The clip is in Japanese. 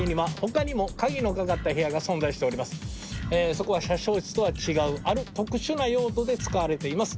そこは車掌室とは違うある特殊な用途で使われています。